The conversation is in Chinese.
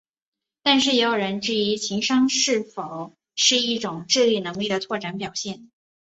但也有人质疑情商是否是一种智力能力的扩展表现。